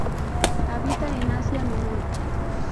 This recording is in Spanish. Habita en Asia Menor.